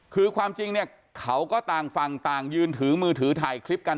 คือความจริงเนี่ยเขาก็ต่างฝั่งต่างยืนถือมือถือถ่ายคลิปกัน